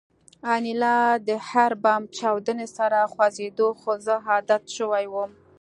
انیلا د هر بم چاودنې سره خوځېده خو زه عادت شوی وم